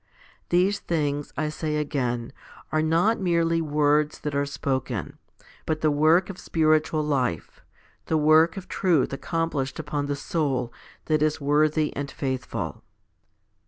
These things, I say again, are not merely words that are spoken, but the work of spiritual life, the work of truth accomplished upon the soul that is worthy and faithful.